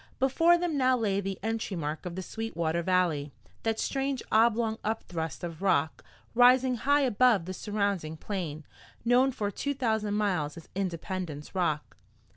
Before them now lay the entry mark of the Sweetwater Valley, that strange oblong upthrust of rock, rising high above the surrounding plain, known for two thousand miles as Independence Rock.